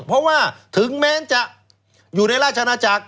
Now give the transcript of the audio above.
เพราะว่าถึงแม้จะอยู่ในราชนาจักร